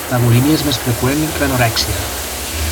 La bulímia és més freqüent que l'anorèxia.